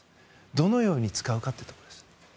どのように使うかってところです。